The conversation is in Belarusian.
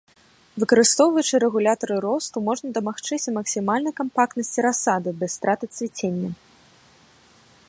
Выкарыстоўваючы рэгулятары росту можна дамагчыся максімальнай кампактнасці расады без страты цвіцення.